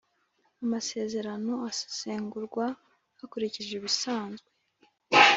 Amasezerano asesengurwa hakurikijwe ibisanzwe